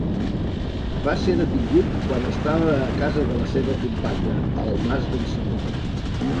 Va ser detingut quan estava a casa de la seva companya, al Mas d’en Simó.